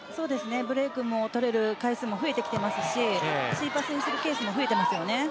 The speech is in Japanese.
ブレークも取れる回数が増えてきていますしＣパスにするケースも増えています。